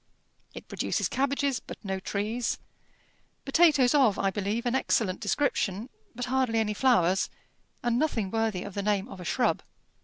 It produces cabbages, but no trees: potatoes of, I believe, an excellent description, but hardly any flowers, and nothing worthy of the name of a shrub.